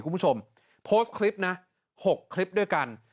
คุณผู้ชมโพสต์คลิปนะ๖คลิปด้วยกัน